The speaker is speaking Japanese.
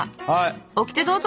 オキテどうぞ！